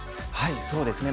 そうですね